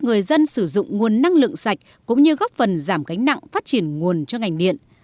người dân sử dụng nguồn năng lượng sạch cũng như góp phần giảm gánh nặng phát triển nguồn cho ngành điện